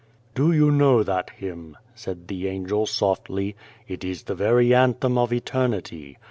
" Do you know that hymn ?" said the Angel softly. "It is the very anthem of eternity.